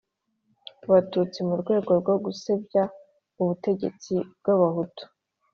batutsi mu rwego rwo gusebya ubutegetsi bw'abahutu